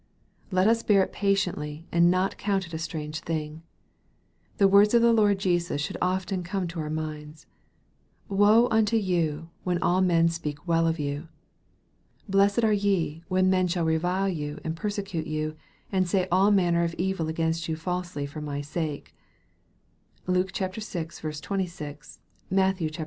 Let us bear it patiently, and not count it a strange thing. The words of the Lord Jesus should often come to our minds :" Woe unto you, when all men shall speak well of you." " Blessed are ye, when men shall revile you, and persecute you, and say all manner of evil against you falsely for my sake." (Luke vi. 26. Matt.